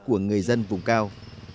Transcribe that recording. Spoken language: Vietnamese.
của người dân vùng cao